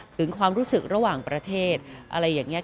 ถึงความรู้สึกระหว่างประเทศอะไรอย่างนี้